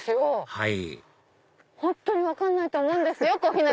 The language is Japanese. はい本当に分かんないと思うんですよ。